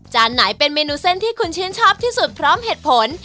ไหนเป็นเมนูเส้นที่คุณชื่นชอบที่สุดพร้อมเหตุผล